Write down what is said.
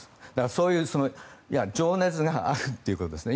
そういう情熱があるということですね。